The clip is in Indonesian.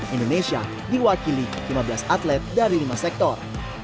indonesia diwakili lima belas atlet dari lima sektor